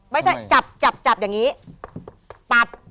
ไม่ได้จับอย่างนี้